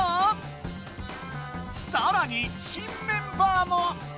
さらに新メンバーも！